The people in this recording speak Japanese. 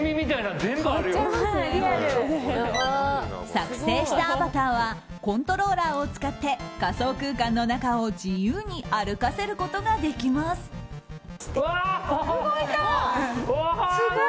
作成したアバターはコントローラーを使って仮想空間の中を自由に歩かせることができます。